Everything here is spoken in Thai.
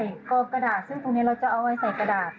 แล้วเขาก็ลาดใส่กรอบกระดาษซึ่งตรงนี้เราจะเอาไว้ใส่กระดาษ